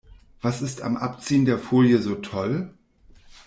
Was ist am Abziehen der Folie so toll?